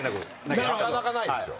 なかなかないですよ。